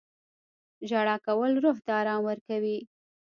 • ژړا کول روح ته ارام ورکوي.